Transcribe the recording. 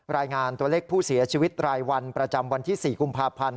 รายงานตัวเลขผู้เสียชีวิตรายวันประจำวันที่๔กุมภาพันธ์